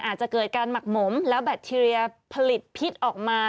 อาจจะเกิดการหมักหมมแล้วแบคทีเรียผลิตพิษออกมา